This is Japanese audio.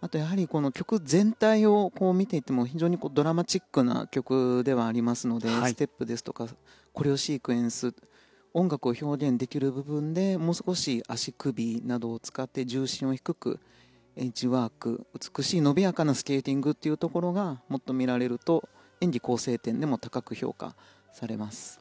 あと、曲全体を見ていても非常にドラマチックな曲ではありますのでステップですとかコレオシークエンス音楽を表現できる部分でもう少し足首などを使って重心を低くエッジワーク美しい伸びやかなスケーティングもっと見られると演技構成点でも高く評価されます。